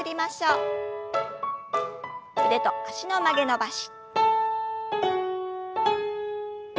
腕と脚の曲げ伸ばし。